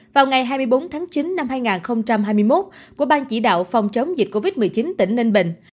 vào ngày hai mươi bốn tháng chín năm hai nghìn hai mươi một của ban chỉ đạo phòng chống dịch covid một mươi chín tỉnh ninh bình